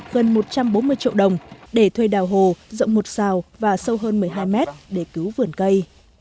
gần một trăm bốn mươi triệu đồng để thuê đào hồ rộng một xào và sâu hơn một mươi hai mét để cứu vườn cây